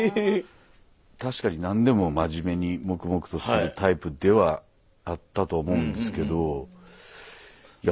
確かに何でも真面目に黙々とするタイプではあったと思うんですけどいや